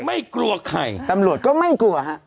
ไม่กลัวใครตำรวจก็ไม่กลัวฮะ